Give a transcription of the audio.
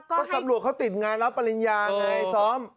ก็ตำรวจเขาติดงานรับปริญญาไงซ้อม